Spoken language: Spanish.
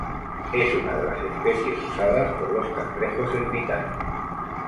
Es una de las especies usadas por los cangrejos ermitaños.